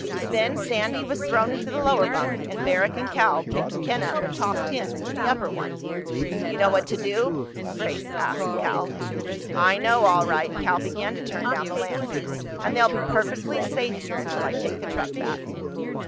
Then Sandy was thrown into the lower bunk, and Barrack and Cal picked Ken up and tossed him into the upper one. "You know what to do?" Grace asked Cal. "I know, all right." Cal began to turn down the lamp. "And they'll be perfectly safe here until I take the truck back."